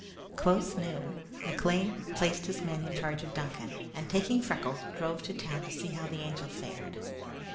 Close noon, McLean placed his men in charge of Duncan, and taking Freckles, drove to town to see how the Angel fared.